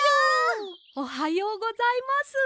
おはようございます。